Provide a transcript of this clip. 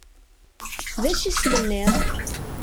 D acu i as-tenniḍ?